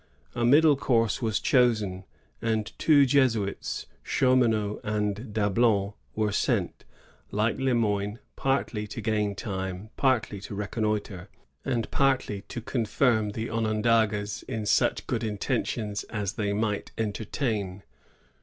A middle course was chosen ; and two Jesuits, Chaumonot and Dablon, Were sent, like Le Moyne, partly to gain time, partly to reconnoitre, and partly to confirm the Onondagas in such good intentions as they might entertain.